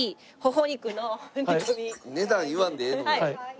値段言わんでええのに。